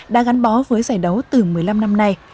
đã gắn bó với giải đấu từ một mươi năm năm nay